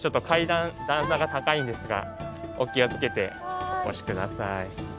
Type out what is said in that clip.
段差が高いんですがお気を付けてお越し下さい。